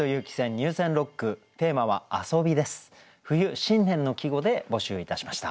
冬新年の季語で募集いたしました。